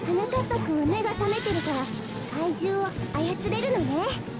ぱくんはめがさめてるからかいじゅうをあやつれるのね。